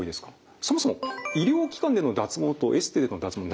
そもそも医療機関での脱毛とエステでの脱毛